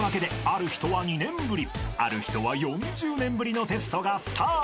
［ある人は４０年ぶりのテストがスタート］